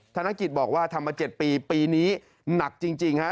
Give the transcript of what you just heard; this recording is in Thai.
ธนกิจบอกว่าทำมา๗ปีปีนี้หนักจริงฮะ